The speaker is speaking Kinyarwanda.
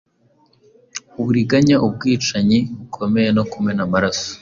uburiganya ubwicanyi bukomeye no kumena amaraso.